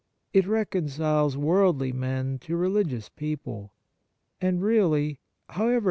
It reconciles worldly men to religious people ; and, really, however